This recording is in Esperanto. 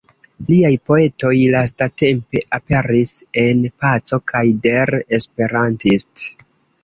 Liaj poemoj lastatempe aperis en "Paco" kaj "Der Esperantist".